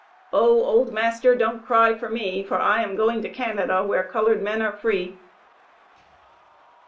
O, old master don't cry for me, For I am going to Canada where colored men are free.